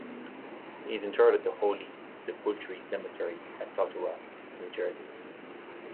He is interred at the Holy Sepulchre Cemetery in Totowa, New Jersey.